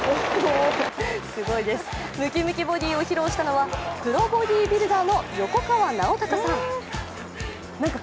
ムキムキボディーを披露したのはプロボディービルダーの横川尚隆さん。